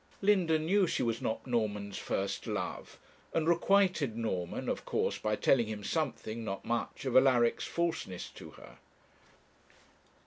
Linda knew she was not Norman's first love, and requited Norman, of course, by telling him something, not much, of Alaric's falseness to her.